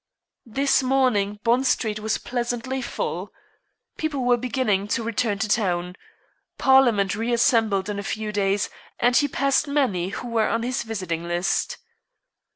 This morning Bond Street was pleasantly full. People were beginning to return to town. Parliament re assembled in a few days, and he passed many who were on his visiting list.